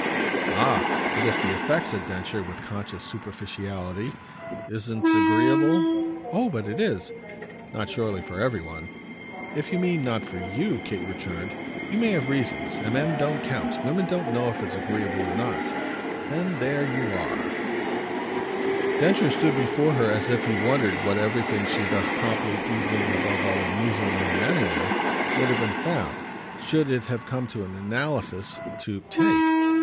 "Ah but if the effect," said Densher with conscious superficiality, "isn't agreeable ?" "Oh but it is!" "Not surely for every one." "If you mean not for you," Kate returned, "you may have reasons and men don't count. Women don't know if it's agreeable or not." "Then there you are!" "Yes, precisely that takes, on his part, genius." Densher stood before her as if he wondered what everything she thus promptly, easily and above all amusingly met him with, would have been found, should it have come to an analysis, to "take."